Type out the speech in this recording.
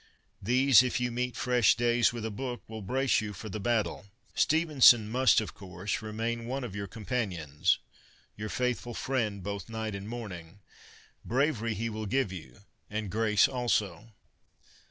These, if you meet fresh days with a book, will brace you for the battle. Stevenson must, of course, remain one of your companions — your faithful friend both night and morning. Bravery he will give you, and grace also.